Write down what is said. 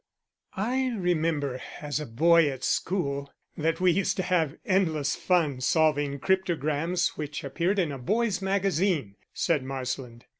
"I remember as a boy at school that we used to have endless fun solving cryptograms which appeared in a boys' magazine," said Marsland.